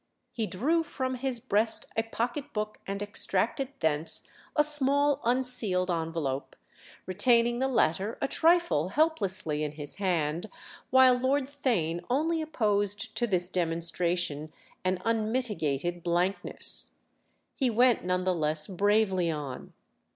He drew from his breast a pocket book and extracted thence a small unsealed envelope; retaining the latter a trifle helplessly in his hand while Lord Theign only opposed to this demonstration an unmitigated blankness. He went none the less bravely on.